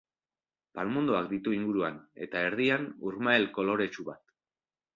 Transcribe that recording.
Palmondoak ditu inguruan, eta, erdian, urmael koloretsu bat.